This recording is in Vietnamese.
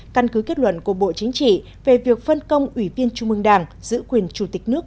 căn cứ kết luận của bộ chính trị về việc phân công ủy viên trung mương đảng giữ quyền chủ tịch nước